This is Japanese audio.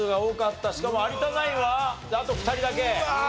しかも有田ナインはあと２人だけ。